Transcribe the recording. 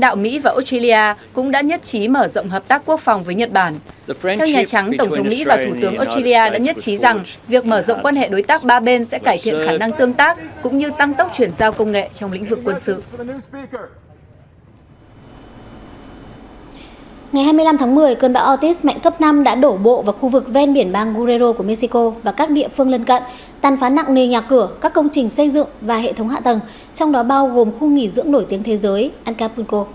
tại hai mươi năm tháng một mươi cơn bão ortiz mạnh cấp năm đã đổ bộ vào khu vực ven biển bang guerrero của mexico và các địa phương lân cận tàn phá nặng nề nhà cửa các công trình xây dựng và hệ thống hạ tầng trong đó bao gồm khu nghỉ dưỡng nổi tiếng thế giới ancapulco